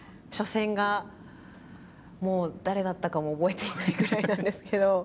初戦がもう誰だったかも覚えていないぐらいなんですけど。